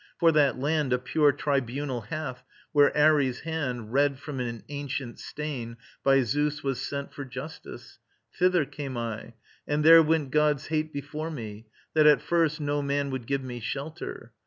For that land A pure tribunal hath, where Ares' hand, Red from an ancient stain, by Zeus was sent For justice. Thither came I; and there went God's hate before me, that at first no man Would give me shelter.